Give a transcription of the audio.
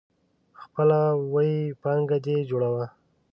خپله ويي پانګه دي جوړوه.